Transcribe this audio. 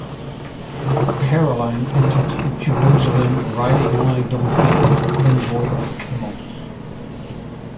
Caroline entered Jerusalem riding on a donkey in a convoy of camels.